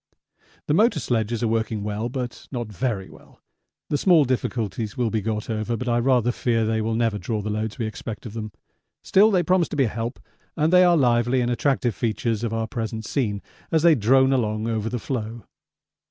The motor sledges are working well, but not very well; the small difficulties will be got over, but I rather fear they will never draw the loads we expect of them. Still they promise to be a help, and they are lively and attractive features of our present scene as they drone along over the floe.